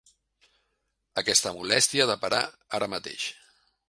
Aquesta molèstia ha de parar ara mateix.